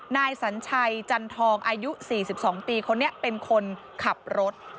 นายสัญชัยจันทองอายุ๔๒ปีคนนี้เป็นคนขับรถ